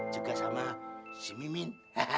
juga sama si mimin